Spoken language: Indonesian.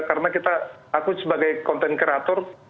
karena kita aku sebagai content creator